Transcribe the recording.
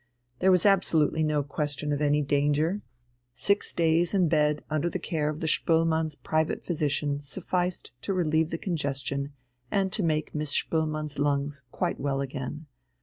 There was absolutely no question of any danger. Six days in bed under the care of the Spoelmanns' private physician sufficed to relieve the congestion, and to make Miss Spoelmann's lungs quite well again.